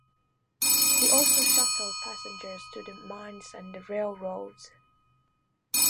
He also shuttled passengers to the mines and the railroads.